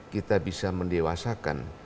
kita bisa mendewasakan